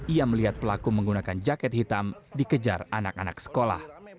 ia melihat pelaku menggunakan jaket hitam dikejar anak anak sekolah